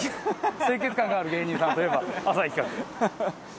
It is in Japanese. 清潔感がある芸人さんといえば浅井企画。